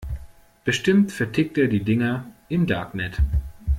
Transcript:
Bestimmt vertickt er die Dinger im Darknet.